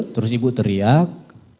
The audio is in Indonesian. terus ibu teriak